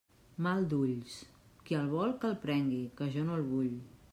Mal d'ulls, qui el vol que el prengui, que jo no el vull.